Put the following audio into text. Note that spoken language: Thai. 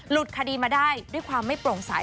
คดีมาได้ด้วยความไม่โปร่งใส